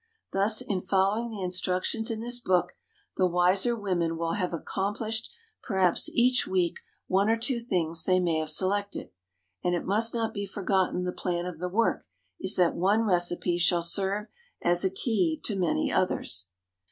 Thus in following the instructions in this book the wiser women will have accomplished, perhaps, each week one or two things they may have selected, and it must not be forgotten the plan of the work is that one recipe shall serve as a key to many others.